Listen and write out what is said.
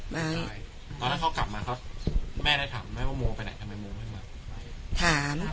ตอนนั้นเขากลับมาครับแม่ได้ถามไหมว่าโมไปไหนทำไมโมไม่มา